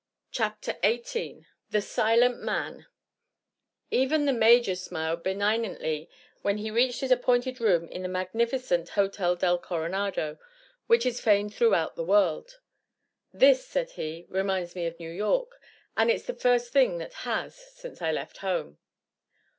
CHAPTER XVIII THE SILENT MAN Even the Major smiled benignantly when he reached his appointed room in the magnificent Hotel del Coronado, which is famed throughout the world. "This," said he, "reminds me of New York; and it's the first thing that has, since I left home."